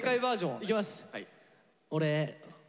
いきます！